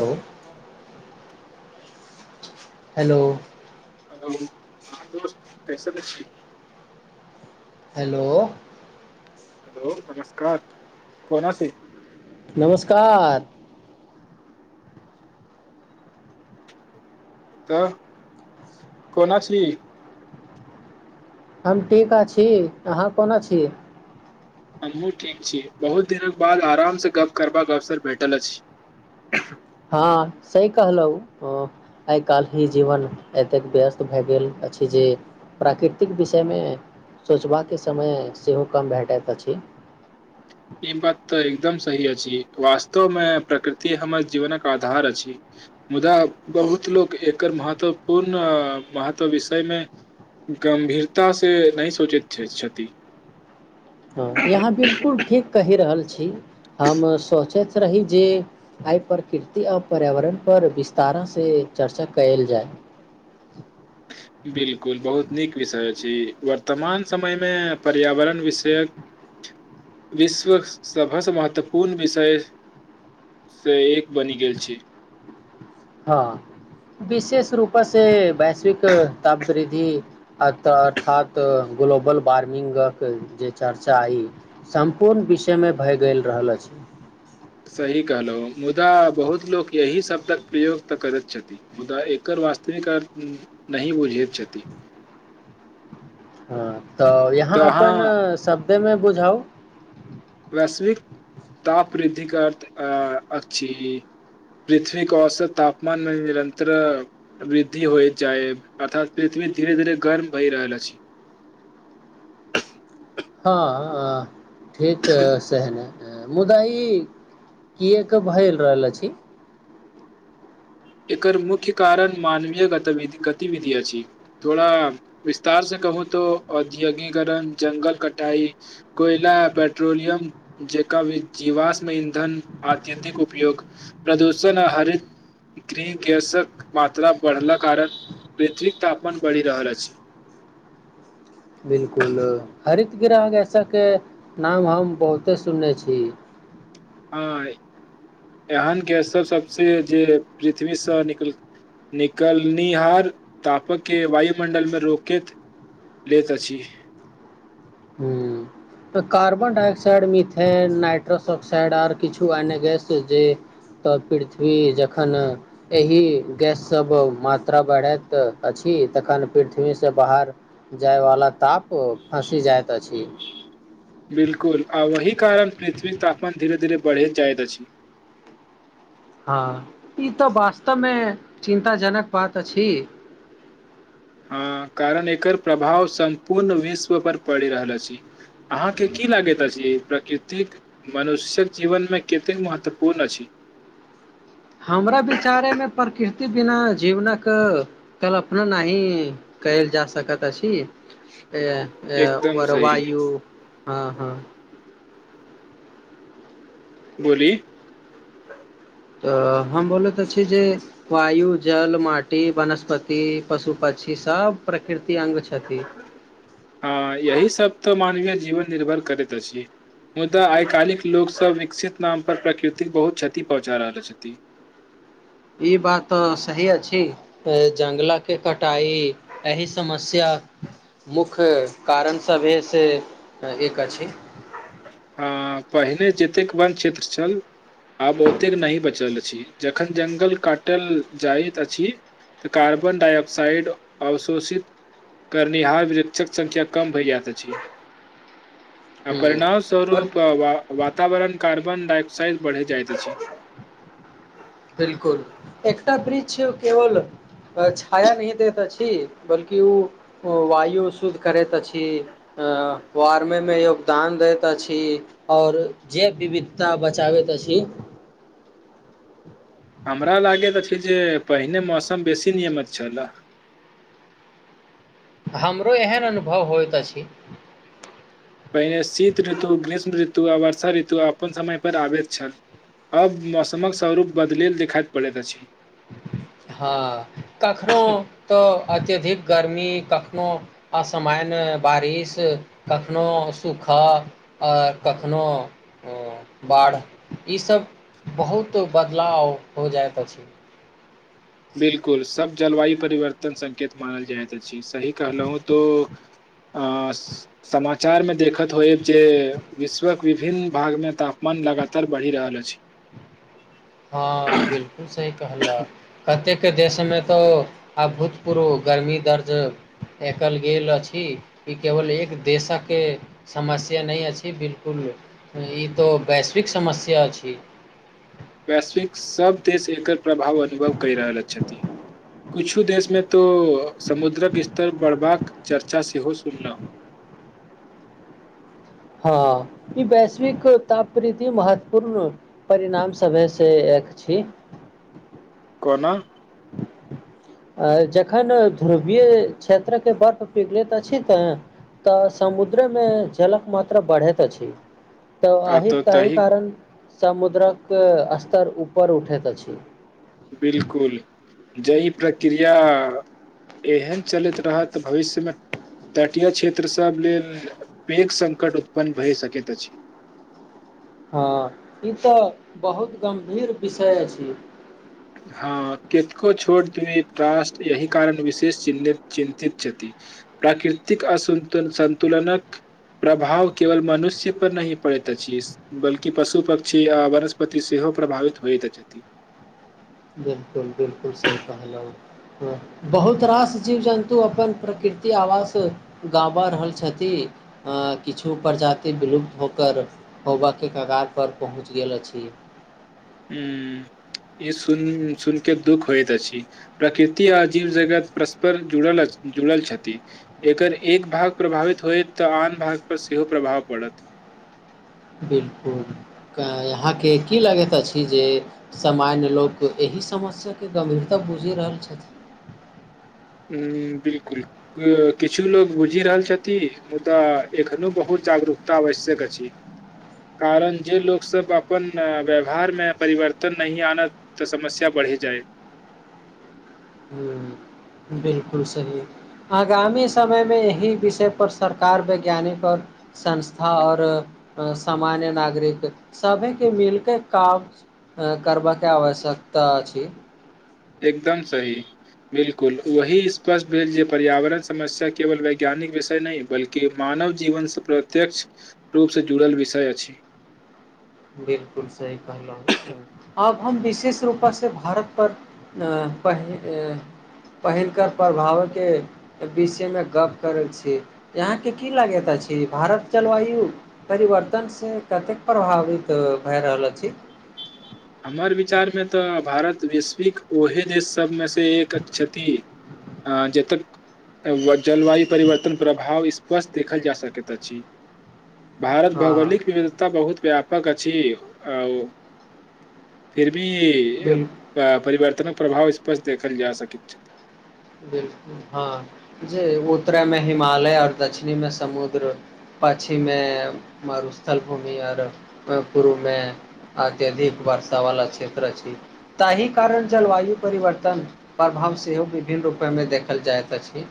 hello [unintelligible] hello hello हा दोस्त कैसन छी हेलो हेलो नमस्कार कोना छी नमस्कार तऽ कोना छी हम टीका अछी अहाँ कोना छी हमहूँ ठीक छी बहुत दिनक बाद आरामसँ गप्प करबाक अवसर भेटल अछि [unintelligible] हँ सही कहलहु आइ काल्हि ही जीवन एतेक व्यस्त भए गेल अछि जे प्राकृतिक विषयमे सोचबाक समय सेहो कम भेटैत अछि ई बात तऽ एकदम सही अछि वास्तवमे प्रकृति हमर जीवनक आधार अछि मुदा बहुत लोक एकर महत्वपूर्ण महत्व विषयमे गंभीरता से नहि सोचैत छै छथि ह यहाँ बिलकुल ठीक कहि रहल छी हम सोचैत रही जे आइ प्रकृति आर पर्यावरण पर विस्तारा से चर्चा कयल जाय [unintelligible] बिलकुल बहुत नीक विषय छी वर्तमान समयमे पर्यावरण विषयक विश्व सभसँ महत्वपूर्ण विषय सँ एक बनि गेल छी हँ विशेष रूप से वैश्विक ताप वृद्धि आत अर्थात ग्लोबल वार्मिंगक जे चर्चा ई सम्पूर्ण विषयमे भए गेल रहल अछि [inaudible] सही कहलहुँ मुदा बहुत लोक यही शब्दक प्रयोग तऽ करैत छथि मुदा एकर वास्तविक अर्थ नहि बुझैत छथि हँ तऽ यहाँ अपन शब्द मे बुझाउ वैश्विक ताप वृद्धि कर अथ अ अछि पृथ्वी औसत तापमान मे निरन्तर वृद्धि हो जाय अर्थात पृथ्वी धीरे धीरे गर्म भहि रहल छी हँ ठीक सेहने मुदा ई किएक भए रहल अछि एकर मुख्य कारण मानवीय गतिविधि अछि थोड़ा विस्तारसँ कहू त औद्योगीकरण जंगल कटाई कोयला पेट्रोलियम जै जीवाशमे ईंधन अत्यधिक उपयोग प्रदूषण आ हरित गृह गैसक मात्रा बढ़ला कारण वैतिरिक तापमान बढ़ि रहल अछि [inaudible] बिलकुल हरित ग्रह सबके नाम हम बहुते सुनने छी ह एहन के सब सबस जे पृथ्वीसँ निकल निकलनिहार तापक के वायुमंडल मे रोकैत लेत अछि हू तऽ carbon dioxide methane nitrous oxide आर किछु एने गस जे तऽ पृथ्वी जखन एहि गैस सब मात्रा बढ़ैत अछि तखन पृथ्वी से बाहर जायवाला ताप फँसी जायत बिलकुल आ वहि कारण पृथ्वी तापमान धीरे धीरे बढ़े जायत अछि हँ ई तऽ वास्तवमे चिन्तााजनक बात अछि [inaudible] हँ कारण एकर प्रभाव सम्पूर्ण विश्व पर पड़ि रहल अछि अहाँके की लागैत अछि ई प्रकृतिक मनुष्यक जीवनमे कतेक महत्वपूर्ण अछि [inaudible] हमरा विचारे मे प्रकृति बिना जीवनक कल्पना नहि कैल जा सकत अछि [inaudible] एकदम आओर सही वायु हँ हँ बोली त हम बोलैत आछि जे वायु जल माटी वनस्पति पशु पक्षी सब प्रकृति अंग छथि हँ यही सबब तऽ मानवीय जीवन निर्भर करैत छी मुदा आइ काल् लोकसभ विकसित नाम पर प्रकृतिक बहुत क्षति पहुँचा रहल छथि [inaudible] ई बात त सही अछि जंगला के कटाई एहि समस्या मुख्य कारण सभहे से एक अछि हँ पहिने जतेक वन क्षेत्र छल आब ओतेक नहि बचल अछि जखन जंगल काटल जाइत अछि तऽ कार्बन डाायऑक्सइड अवशोषित करनीहारार वृक्षक संख्य कम भइ जात अछि हूँ परिणाम आओर स्वरूप वातावरण कार्बन डायओक्साड बढ़े जाइत छै बिलकुल एकटा वृक्ष केवल छाया न दैत अछि बल्कि ओ वायु शुद्ध करैत अछि वारमे मे योगदान दैत अछि आऔर जे विविधता बचाबैत अछि [unintelligible] [inaudible] हमरा लागयत अछि जे पहिने मौसम बेसी नियमित छलाह [inaudible] हमरो एहन अनुभव होइतइत अछि पहिने शीत ऋतु ग्रीष्म ऋतु आ वर्षा ऋतु अपन समय पर आबैत छल अब मौसमक स्वरूप बदलेल देखाइ पड़ैत अछि हँ कखनो त अत्यधिक गर्मी कखनो असामान्य बारिश कखनो सुख हऽ आओ कखनोहु बाढ़ि ईसभ बहुत बदलाव हो जाइत अछि बिलकुल सब जलवायु परिवर्तन संकेत मानल जाय जी सही कहलहु त अ समा चार मे देखत होयब जे विश्वक विभिन्न भाग मे तापमान लगातार बढ़ि रहल अछि [inaudible] हँ बिलकुल सही कहल कतेक के देशमे तो अभूतपूर्व गर्मी दर्ज एकल गेल अछि ई केवल एक देशक समस्या नहि अछि बिलकुल ई तो वैश्विक समस्या छी वैश्विक सभ देश एकर प्रभाव अनुभव कहि रहल छथि कुछू देशमें तो समुद्रक स्तर बढ़बाक चर्चा सेहो सुन लउ हँ ई वैश्विक तापति महत्वपूर्ण परिणाम समय से देख छी कोना आ जखन ध्रुवीय क्षेत्रके बर्फ पिघलैत अछि तऽ तऽ समुद्रमे जलक मात्रा बढ़ैत अछि तऽ ह तहि कारण समुद्रक अस्तर ऊपर उठैत छै बिलकुल जहि प्रक्रिया एहन चलैत रहत त भविष्यमे तटीय क्षेत्र सभ लेल पेघ संकट उत्पन्न भए सकैत अछि [inaudible] हँ ई तऽ बहुत गम्भीर विषय छी हँ कतको छोट द्रासट यह कारण विशेष चिन्तित छथि प्राकृतिक असन्तुलनक सन्तुलनक प्रभाव केवल मनुष्य पर नहि पड़ैत अछि बल्कि पशु पक्षी आ वनस्पति सेहो प्रभावित होइतइत बिलकुल बिलकुल सी कहल बहुत रास जीव जन्तु अपन प्रकृति कीति आवास गाबा रहल छथि किछु प्रजाति विलुप्त होकर होबऽ के कगार पर पहुँच गेल अछि हू ई सुन सुन के दुःख होइत अछि प्रकृति आ जीव जगत परस्पर जुड़ल जुड़ल छथि एकर एक भाग प्रभावित होय तऽ आन भाग पर सेहो प्रभाव पड़त [inaudible] बिलकुल यहाँके की लगैत अछि जे सामान्य लोक ई समस्याके गम्भीरता बुझि रहल छथि [inaudible] ह बिल्कुल किछु लोग बुझि रहल छथि मुदा एखनो बहुत जागरूक आवश्यक अछि कारण जे लोको सब अपन व्यवहार मे परिवर्तन नहि आना तऽ समस्या पड़ पढ़ी जाइ हू बिलकुल सही आगामी समयमे यी विषय पर सरकार वैज्ञानिक आओर संस्था आऔर सामान्य नागरिक सभ के मिलके काम करबाक के आवश्यकता अछि एकदम सही बिलकुल वही स्पष्ट भेल जे पर्यावरण समस्या केवल वैज्ञानिक विषय नहि बल्कि मानव जीवन से प्रत्यक्ष रूप से जुड़ल विषय अछि [inaudible] बिलकुल सही कहलहु हम विशेष रूपासँ भारत पर पहिल पहिलनकर प्रभाव के विषय मे गप करे छी यहाँ के की लागे भारत जलवायु परिवर्तनसँ कतेक प्रभावित तऽ भए रहल रहल छी हमर विचारमे तऽ भारत वैश्विक ओहे देश सबमे से एक क्षति आ जतेक जलवायु परिवर्तन प्रभाव स्पष्ट देखल जा सकैत अछि भारत हँ भौगोलिक विविधता बहुत व्यापक अछि आ ओ फि की बिल परिवर्तनक प्रभाव स्पष्ट देखल जा सकइ छथ बिलकुल हां जी उत्तरेमे हिमालय आर दक्षिणीमे समुद्र पाछीमे मारुस्थल भूमि आर पूर्वमे अत्यधिक वर्षा वला क्षेत्र अछि ताहि कारण जलवायु परिवर्तन हम सेहो विभिन्न रूपेमे देखल जाइत अछि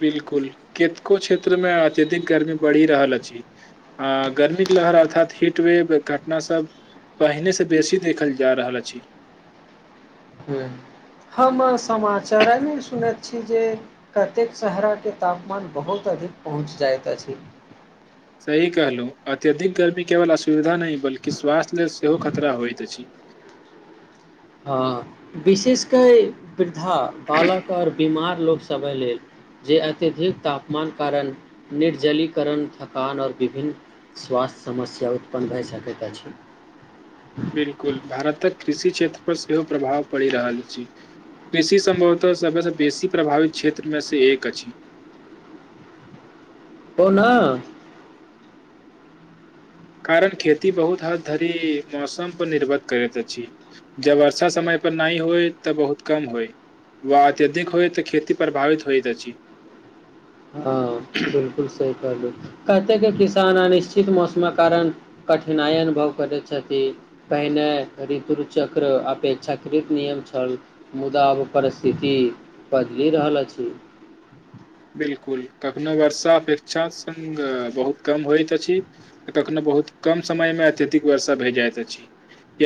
बिलकुल कतको क्षेत्र मे अत्यधिक गर्मी बढ़ि रहल अछि आ गर्मी लहर अर्थात हीट वेव घटना सब पहिने से बेसी देखल जा रहल अछि [inaudible] हूंअ् हम समाचारमे सुने छी जे कतेक शहराके तापमान बहुत अधिक पहुँच जाइत अछि सही कहलौं अत्यधिक गर्मी केवल असुविधा नहि बल्कि स्वास्थ्य लेल सेहो खतरा होइत अछि [inaudible] विशेषकर वृद्धा बालक और बीमार लोकसभे लेल जे अत्यधिक तापमान कारण निर्जलीकरण थकानऔर विभिन्न स्वास्थ्य समस्या उत्पन्न भए सकैत अछि बिलकुल भारतक कृषि क्षेत्र पर सेहो प्रभाव पड़ि रहल अछि कृषि सम्भवतः सबसँ बेसी प्रभावित क्षेत्रमे से एक अछि ओ ना कारण खेती बहुत हद धरी मौसम पर निर्भर करैत अछि जब वर्षा समय पर नहि होय तऽ बहुत कम होइ व अत्यधिक होए तऽ खेती प्रभावित होइत अछि हां बिलकुल सही कतेके किसान अनिश्चित मौसमक कारण कठिनाइ अनुभव करैत छथिन पहिने ऋतु चक्र अपेक्षाकृत नियम छल मुदाब परस्थित की बदली रहल अछि [inaudible] बिल्कुल कखनो वर्षा अपेक्षा संग बहुत कम होइत अछि कखनो बहुत कम समय मे अत्यधिक वर्षा भए जाइत अछि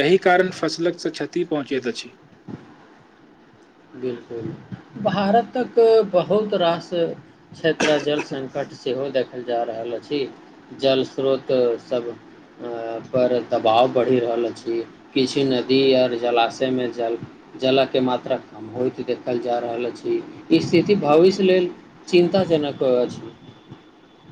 यही कारण फसलकसँ क्षति पहुँचैत अछि बिलकुल भारतक बहुत रास क्षेत्र जल संकट सेहो देखल जा रहल अछि जल स्रोत सब अ पर दबाव बढ़ि रहल अछि किछु नदी और जलाशय मे जल जलअ के मात्रा कम होइत देखल जा रहल अछि ई स्थिति भविष्य लेल चिन्ताजनक अछि [inaudible]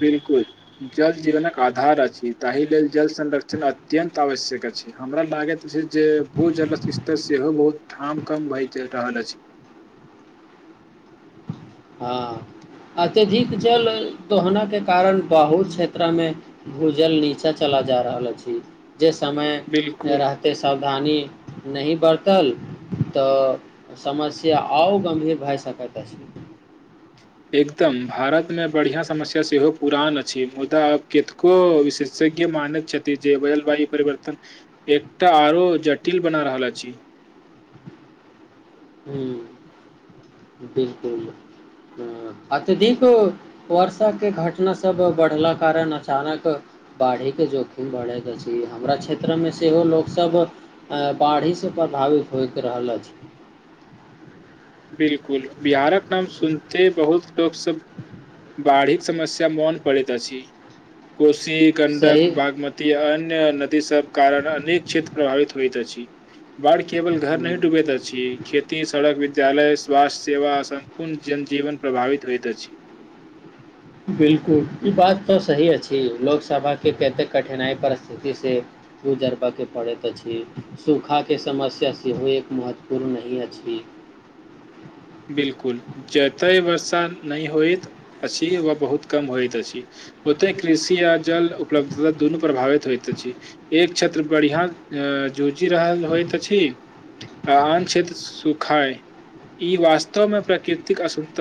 बिलकुल जल जीवनक आधार अछि ताहि लेल जल संरक्षण अत्यन्त आवश्यक हमरा लागैत जे भूजल स्तर सेहो बहुत ठाम कम भय रहल अछि हां अत्यधिक जल दोहना के कारण बहु क्षेत्र मे भूजल नीचा चला जा रहल अछि जे समय बिल्कुल रहते सावधानी नहि बर्तल तऽ समस्या आओ गम्भीर भए सकैत अछि एकदम भारतमे बढ़िआँ समस्या सेहो पुरान अछि मुदा आब केतको विशेष के मानैत छथि जे जलवायु परिवर्तन एकटा आरो जटिल बना रहल अछि [inaudible] हूंअ् बिलकुल हं अत्यधिक वर्षाक के घटना सब बढ़ला कारण अचानक बाढ़िके जोखिम बढ़ैत अछि हमरा क्षेत्रमे सेहो लोकसभ बाढ़िसँ प्रभावित होइत रहल अछि बिलकुल बिहारक नाम सुनते बहुत लोक सब बाढ़िक समस्या मन पड़ैत अछि कोशी गंडक सही बागमती आ अन्य नदी सभ कारण अनेक क्षेत्र प्रभावित होइत अछि बाढ़ केवल घर नहि हम्म, डूबेत अछि खेती सड़क वि विद्यालय स्वास्थ्य सेवा संपूर्ण जनजीवन प्रभावित होइत अछि बिलकुल ई बात त सही अछि लोकसभा के कतेक कठिनाई परिस्थिति से गुजरबयके पड़ैत अछि सूखाके समस्या सेहो एक महत्वपूर्ण नहि अछि [inaudible] बिलकुल जतय वर्षा नहि होइत अछि व बहुत कम होइत अछि होते कृषि आ जल उपलब्धता दुनू प्रभावित होइत अछि एक क्षेत्र बढ़िआं जूझि रहल होइत अछि आ आन क्षेत्र सुखाय ई वास्तवमें प्राकृतिक असुन्त